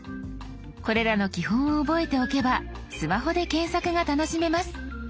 これらの基本を覚えておけばスマホで検索が楽しめます。